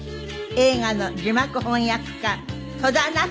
映画の字幕翻訳家戸田奈津子さんです。